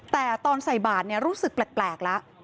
แต่ตอนใส่บาทรู้สึกแปลกแล้ว